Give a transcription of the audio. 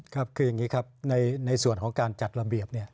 ครับคืออย่างนี้ครับในส่วนของการจัดระเบียบ